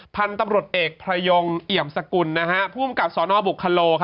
พันธุ์ตำรวจเอกพระยงเอี่ยมสกุลผู้อำกับสนบุคโล